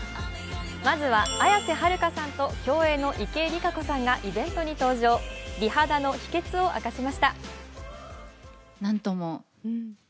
まずは綾瀬はるかさんと競泳の池江璃花子さんがイベントに登場美肌の秘けつを明かしました。